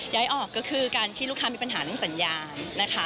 ย้ายออกก็คือการที่ลูกค้ามีปัญหาในสัญญาณ